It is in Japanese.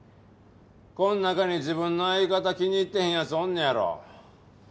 この中に自分の相方気に入ってへん奴おんねやろ。